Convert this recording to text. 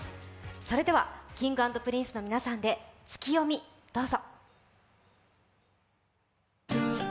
それでは、Ｋｉｎｇ＆Ｐｒｉｎｃｅの皆さんで、「ツキヨミ」どうぞ。